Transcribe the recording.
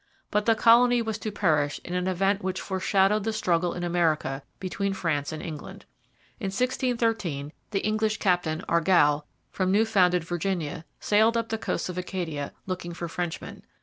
But the colony was to perish in an event which foreshadowed the struggle in America between France and England. In 1613 the English Captain Argall from new founded Virginia sailed up the coasts of Acadia looking for Frenchmen.